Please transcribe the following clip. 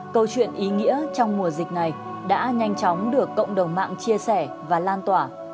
câu chuyện ý nghĩa trong mùa dịch này đã nhanh chóng được cộng đồng mạng chia sẻ và lan tỏa